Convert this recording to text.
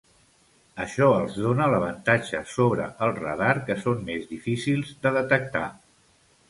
Això els dóna l'avantatge sobre el radar que són més difícils de detectar.